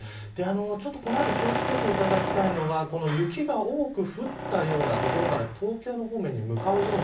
この後、気を付けていただきたいのが雪が多く降ったような所から東京の方面に向かうような